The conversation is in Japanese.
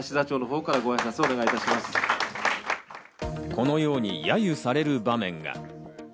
このように揶揄される場面が。